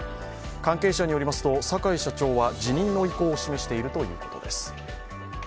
関係者によりますと坂井社長は辞任の意向を示しているということです。